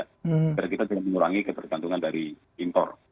karena kita jangan mengurangi ketergantungan dari intor